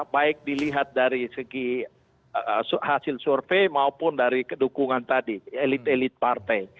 baik dilihat dari segi hasil survei maupun dari dukungan tadi elit elit partai